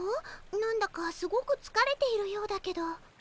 何だかすごくつかれているようだけど。